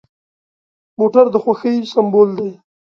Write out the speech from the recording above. موټر د خوښۍ سمبول دی.